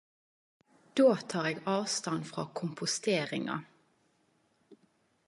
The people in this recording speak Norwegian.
Då tar eg avstand frå komposteringa.